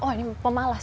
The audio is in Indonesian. oh ini pemalas